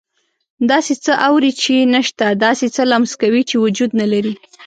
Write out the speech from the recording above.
داسې څه اوري چې نه شته، داسې څه لمس کوي چې وجود نه لري.